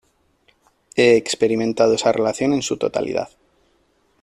He experimentado esa relación en su totalidad.